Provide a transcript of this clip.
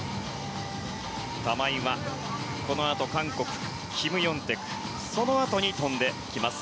玉井はこのあと韓国キム・ヨンテクのそのあとに跳んできます。